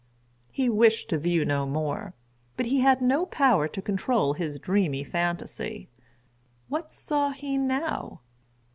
He wished to view no more; but he had no power to control his dreamy phantasy. What saw he now?